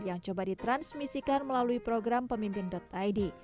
yang coba ditransmisikan melalui program pemimpin id